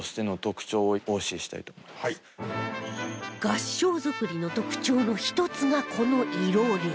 合掌造りの特徴の１つがこの囲炉裏